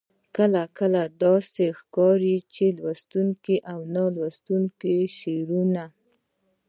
کله کله داسې ښکاري چې لوستو او نالوستو شاعرانو.